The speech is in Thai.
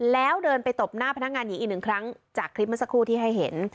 แล้วเดินไปตบหน้าพนักงานหญิงอีกหนึ่งครั้งจากคลิปเมื่อสักครู่ที่ให้เห็น